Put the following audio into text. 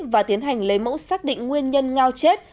và tiến hành lấy mẫu xác định nguyên nhân ngao chết